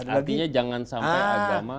artinya jangan sampai agama